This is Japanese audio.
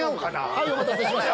はいお待たせしました。